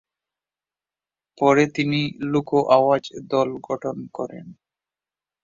পরে তিনি লোক আওয়াজ দল গঠন করেন।